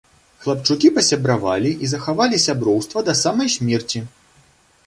Хлапчукі пасябравалі і захавалі сяброўства да самай смерці.